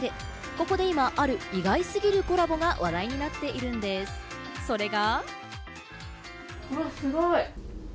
ここで今、ある意外過ぎるコラボが話題になっているんです、それが。